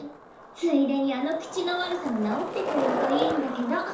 ついでにあの口の悪さも直ってくれるといいんだけど。